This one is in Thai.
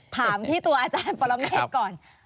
ถามที่ตัวอาจารย์ปรเมฆก่อน